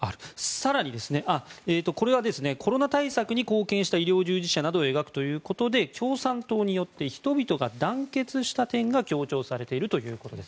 更にこれはコロナ対策に貢献した医療従事者などを描くということで共産党によって人々が団結した点が強調されているということです。